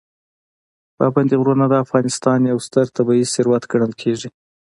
پابندي غرونه د افغانستان یو ستر طبعي ثروت ګڼل کېږي.